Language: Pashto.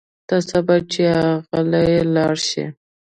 ته صبر چې اغئ لاړ شي.